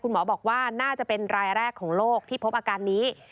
หมอบอกว่าน่าจะเป็นรายแรกของโลกที่พบอาการนี้